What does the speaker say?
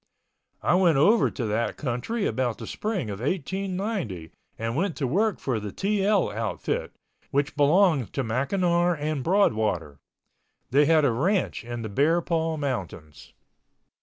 I went over to that country about the spring of 1890 and went to work for the TL outfit, which belonged to McNamar and Broadwater. They had a ranch in the Bear Paw Mountains.